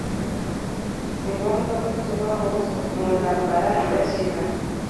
Si ngombwa ko tubaho mu ntambara idashira